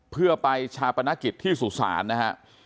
เพื่อไปชาปนกิจที่สุสานนะฮะ